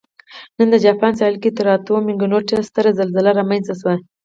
نن د جاپان ساحل کې تر اتو مګنیټیوډ ستره زلزله رامنځته شوې